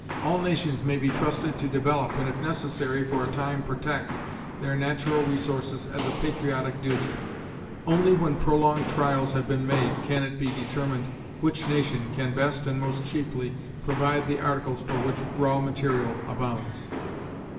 All nations may be trusted to develop, and if necessary for a time protect, their natural resources as a patriotic duty. Only when prolonged trials have been made can it be determined which nation can best and most cheaply provide the articles for which raw material abounds.